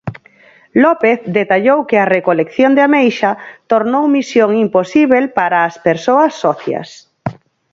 López detallou que a recolección de ameixa tornou misión imposíbel para as persoas socias.